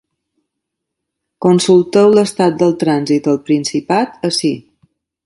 Consulteu l’estat del trànsit al Principat ací.